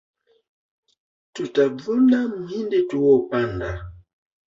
Tundavuna mhindi tuopanda.